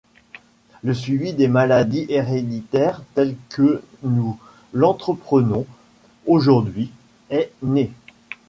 Le suivi des maladies héréditaires, tel que nous l’entreprenons aujourd’hui, est né.